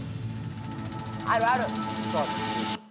あるある。